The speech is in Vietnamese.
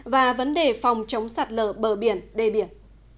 và vấn đề phòng chống sạt lở bờ biển đê biển